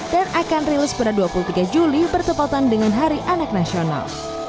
dan akan rilis pada dua puluh tiga juli bertepatan dengan hari anak nasional